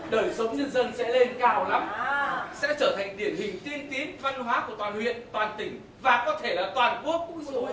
đời sống nhân dân sẽ lên cao lắm sẽ trở thành điển hình tiên tiến văn hóa của toàn huyện toàn tỉnh và có thể là toàn quốc